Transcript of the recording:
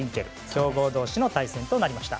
強豪同士の対戦となりました。